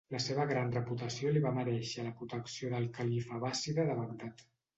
La seva gran reputació li va merèixer la protecció del califa abbàssida de Bagdad.